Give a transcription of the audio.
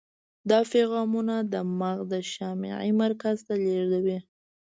دا پیغامونه د مغزو شامعي مرکز ته لیږدوي.